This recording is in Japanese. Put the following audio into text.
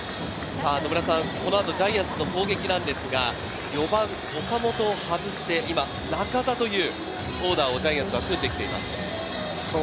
野村さん、このあとジャイアンツの攻撃なんですが４番・岡本を外して、今、中田というオーダーをジャイアンツは組んできています。